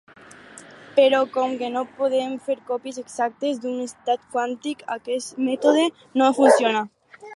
Però com que no podem fer còpies exactes d'un estat quàntic, aquest mètode no funciona.